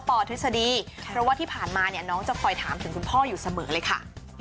ทฤษฎีเพราะว่าที่ผ่านมาเนี่ยน้องจะคอยถามถึงคุณพ่ออยู่เสมอเลยค่ะ